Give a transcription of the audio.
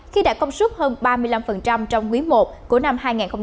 khi đã công suất hơn ba mươi năm trong quý i của năm hai nghìn hai mươi hai